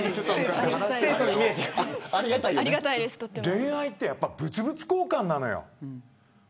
恋愛って物々交換なのよ。